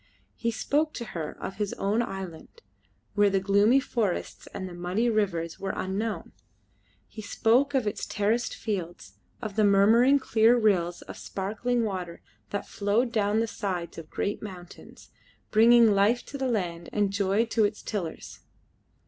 He spoke to her of his own island, where the gloomy forests and the muddy rivers were unknown. He spoke of its terraced fields, of the murmuring clear rills of sparkling water that flowed down the sides of great mountains, bringing life to the land and joy to its tillers.